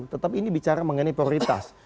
tetapi ini bicara mengenai prioritas